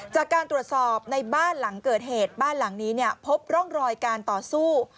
จากการตรวจสอบในบ้านหลังเกิดเหตุบ้านหลังนี้เนี่ยพบร่องรอยการต่อสู้